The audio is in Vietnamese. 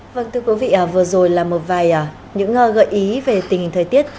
vâng thưa quý vị vừa rồi là một vài những gợi ý về tình hình thời tiết